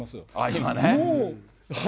今ね。